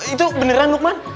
itu beneran luqman